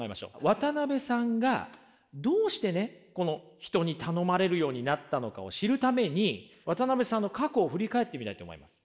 渡辺さんがどうしてね人に頼まれるようになったのかを知るために渡辺さんの過去を振り返ってみたいと思います。